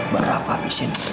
baru aku habisin